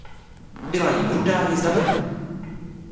Byla jím Rudá Hvězda Brno.